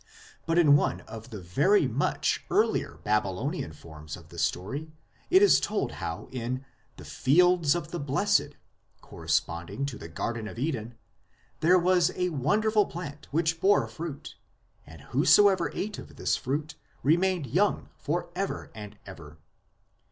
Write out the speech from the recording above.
But in one of the very much earlier Babylonian forms of the story it is told of how in " the fields of the blessed," corre sponding to the Garden of Eden, there was a wonderful plant which bore fruit, and whosoever ate of this fruit remained young for ever and ever.